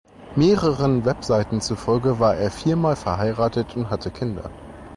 Mehreren Webseiten zufolge war er viermal verheiratet und hatte Kinder.